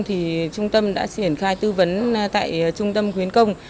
trung tâm đã triển khai tư vấn tại trung tâm khuyến công